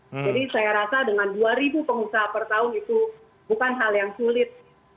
jadi saya rasa dengan dua ribu pengusaha per tahun itu bukan hal yang sulit